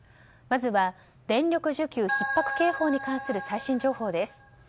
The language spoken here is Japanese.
まずは電力需給ひっ迫警報に関する最新情報です。